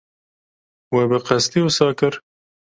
We bi qesdî wisa kir?